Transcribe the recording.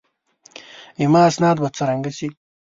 زما اسناد به څرنګه شي؟